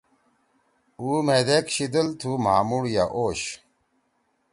اُو مھیدیک شیِدل تُھو مھامُوڑ یأ اوش۔